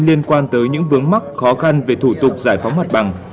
liên quan tới những vướng mắc khó khăn về thủ tục giải phóng mặt bằng